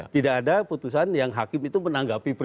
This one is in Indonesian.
tidak ada putusan yang hakim itu menanggapi